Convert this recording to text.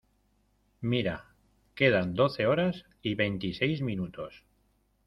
mira. quedan doce horas y veintiséis minutos